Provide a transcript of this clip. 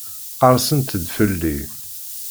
Qerrsent-d fell-i.